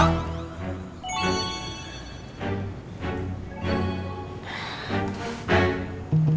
udah tua semua pak